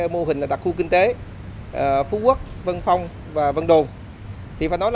mô hình là đặc khu kinh tế phú quốc vân phong và vân đồn